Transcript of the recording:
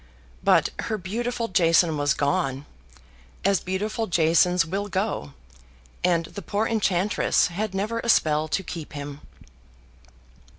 But her beautiful Jason was gone, as beautiful Jasons will go, and the poor enchantress had never a spell to keep him.